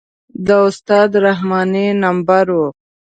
د استاد رحماني نمبر و.